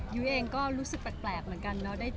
ยุ้ยเองก็รู้สึกแปลกเหมือนกันเนอะ